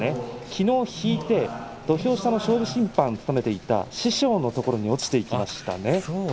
きのう引いて土俵下の勝負審判を務めていた師匠のところに落ちていきましたね。